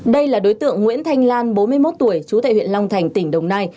đây là đối tượng nguyễn thanh lan bốn mươi một tuổi chú tại huyện long thành tỉnh đồng nai